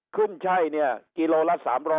คุ่มไช่เนี่ยกิโลละ๓๐๐